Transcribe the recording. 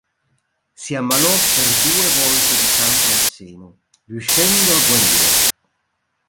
Si ammalò per due volte di cancro al seno, riuscendo a guarire.